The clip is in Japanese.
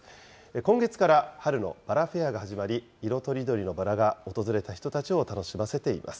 今月から春のバラフェアが始まり、色とりどりのバラが訪れた人たちを楽しませています。